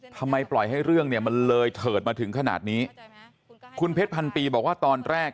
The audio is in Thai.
ปล่อยให้เรื่องเนี่ยมันเลยเถิดมาถึงขนาดนี้คุณเพชรพันปีบอกว่าตอนแรก